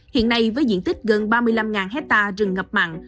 hiện nay với diện tích gần ba mươi năm hectare rừng ngập mặn